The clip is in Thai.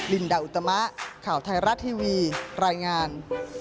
ลินดาอุตมะข่าวไทยรัฐทีวีรายงาน